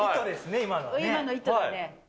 今の糸だね。